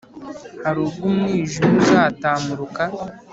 Harubw’ umwijim’ uzatamuruka